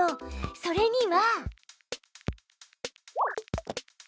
それには。